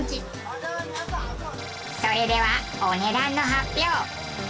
それではお値段の発表。